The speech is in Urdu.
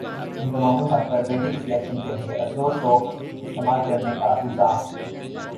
انضمام الحق پر بیٹے کی سلیکشن کیلئے اثرورسوخ استعمال کرنے کا الزام